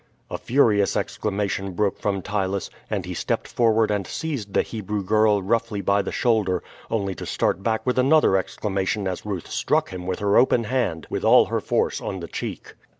A furious exclamation broke from Ptylus, and he stepped forward and seized the Hebrew girl roughly by the shoulder, only to start back with another exclamation as Ruth struck him with her open hand, with all her force, on the cheek.